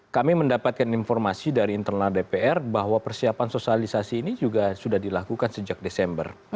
kami mendapatkan informasi dari internal dpr bahwa persiapan sosialisasi ini juga sudah dilakukan sejak desember